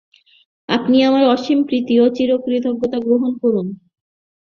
আপনি আমার অসীম প্রীতি ও চিরকৃতজ্ঞতা গ্রহণ করুন।